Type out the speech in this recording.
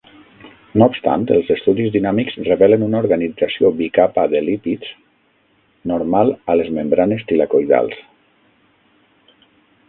No obstant, els estudis dinàmics revelen una organització bicapa de lípids normal a les membranes tilacoidals.